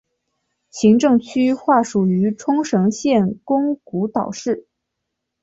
行政区划属于冲绳县宫古岛市。